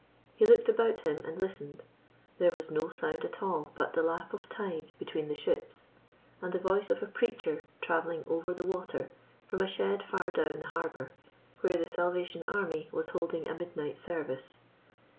He looked about him and listened. There was no sound at all but the lap of tide between the ships, and the voice of a preacher travelling over the water from a shed far down the harbour, where the Salvation Army was holding a midnight service.